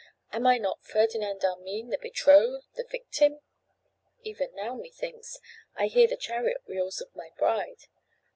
Am I not Ferdinand Armine, the betrothed, the victim? Even now, methinks, I hear the chariot wheels of my bride.